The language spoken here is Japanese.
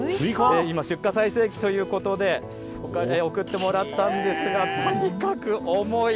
今出荷最盛期ということで、送ってもらったんですが、とにかく重い。